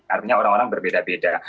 artinya orang orang berbeda beda